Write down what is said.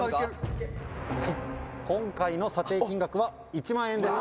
今回の査定金額は１万円です。